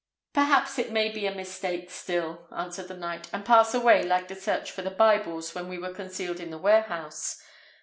"Perhaps it may be a mistake still," answered the knight, "and pass away like the search for the Bibles when we were concealed in the warehouse.